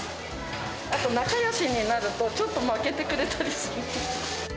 あと仲よしになると、ちょっとまけてくれたりする。